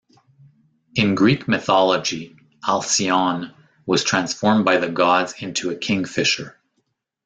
In Greek mythology, Alcyone was transformed by the gods into a kingfisher.